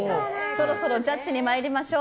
そろそろジャッジに参りましょう。